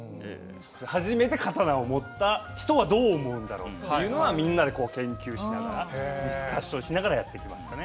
初めて刀を持った人はどう思うんだろうというのはみんなで研究しながら、ディスカッションしながらやっていきましたね。